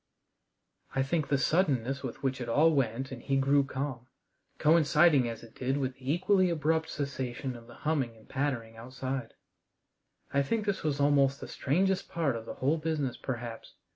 I think the suddenness with which it all went and he grew calm, coinciding as it did with the equally abrupt cessation of the humming and pattering outside I think this was almost the strangest part of the whole business perhaps.